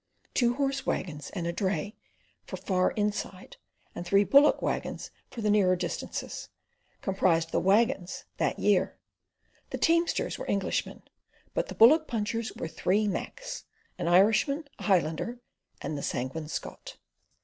Two horse waggons and a dray for far "inside," and three bullock waggons for the nearer distances, comprised the "waggons" that year. The teamsters were Englishmen; but the bullock punchers were three "Macs"—an Irishman, a Highlander, and the Sanguine Scot.